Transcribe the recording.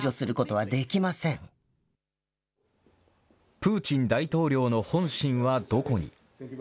プーチン大統領の本心はどこに。